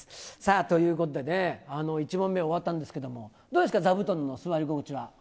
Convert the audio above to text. ということでね、１問目終わったんですけれども、どうですか、座布団の座り心地は？